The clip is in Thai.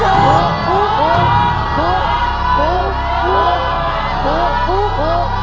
ถูก